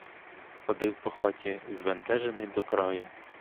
Ходив по хаті, збентежений до краю.